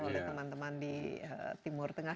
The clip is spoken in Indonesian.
oleh teman teman di timur tengah